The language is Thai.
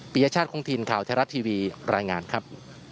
ปริยชาติคลุมพิธีข่าวไทยรัสทีวีรายงานครับ